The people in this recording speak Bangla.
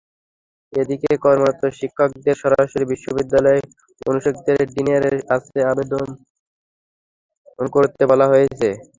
এদিকে কর্মরত শিক্ষকদের সরাসরি বিশ্ববিদ্যালয়ের অনুষদের ডিনের কাছে আবেদন করতে বলা হয়েছে।